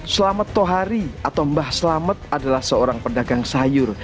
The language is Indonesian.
selamat tohari atau mbah selamet adalah seorang pedagang sayur